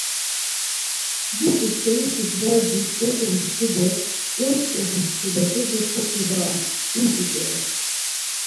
Biç̌i serişi gverdis goǩuntsxu do goitzǩedu şkule bozo soti va ren, imt̆u doren.